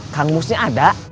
kang musnya ada